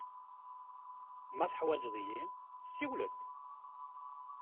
Ma teḥwaǧeḍ-iyi, siwel-d.